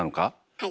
はい。